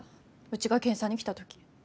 うちが検査に来た時。